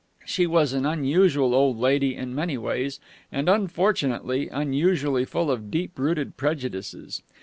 She was an unusual old lady in many ways, and, unfortunately, unusually full of deep rooted prejudices.